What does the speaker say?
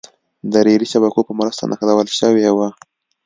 د رېلي شبکو په مرسته نښلول شوې وه.